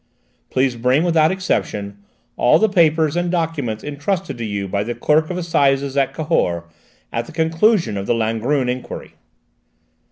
Please bring, without exception, all the papers and documents entrusted to you by the Clerk of Assizes at Cahors, at the conclusion of the Langrune enquiry."